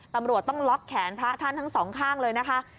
ตำรวจต้องล็อกแขนพระท่านทั้งสองข้างเลยนะคะ